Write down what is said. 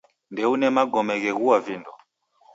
Ndeune magome gheghua vindo